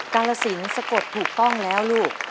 กาลสินสะกดถูกต้องแล้วลูก